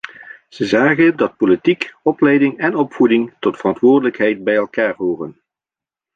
Ze zagen dat politiek, opleiding en opvoeding tot verantwoordelijkheid bij elkaar horen.